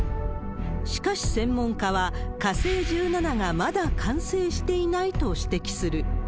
しかし、専門家は火星１７がまだ完成していないと指摘する。